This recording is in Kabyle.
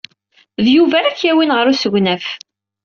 D Yuba ara k-yawin ɣer usegnaf.